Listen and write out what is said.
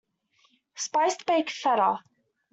Spicy baked feta.